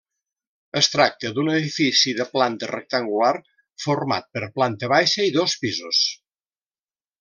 Es tracta d'un edifici de planta rectangular, format per planta baixa i dos pisos.